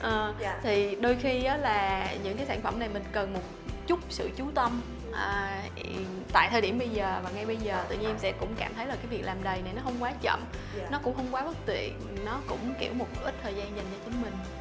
ờ thì đôi khi là những cái sản phẩm này mình cần một chút sự trú tâm tại thời điểm bây giờ và ngay bây giờ tự nhiên em sẽ cũng cảm thấy là cái việc làm đầy này nó không quá chậm nó cũng không quá bất tiện nó cũng kiểu một ít thời gian dành cho chính mình